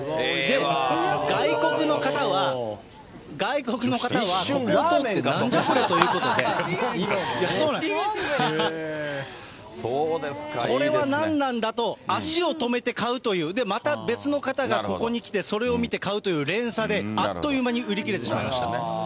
外国の方は、外国の方は、なんじゃこりゃって、これは何なんだと、足を止めて買うという、また別の方がここに来て、それを見て買うという連鎖で、あっという間に売り切れてしまいました。